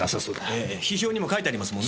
ええ批評にも書いてありますもんね。